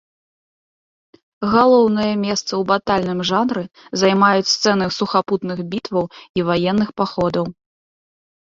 Галоўнае месца ў батальным жанры займаюць сцэны сухапутных, бітваў і ваенных паходаў.